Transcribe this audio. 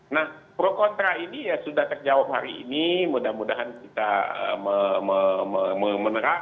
nah pro kontra ini ya sudah terjawab hari ini mudah mudahan kita